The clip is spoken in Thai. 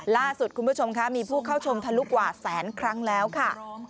ล่าสุดคุณผู้ชมค่ะมีผู้เข้าชมทะลุกว่าแสนครั้งแล้วค่ะ